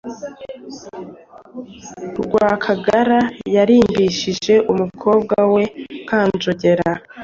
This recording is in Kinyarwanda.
Rwakagara yarimbishije umukobwa we Kanjogera